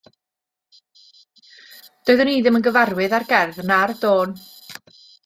Doeddwn i ddim yn gyfarwydd â'r gerdd na'r dôn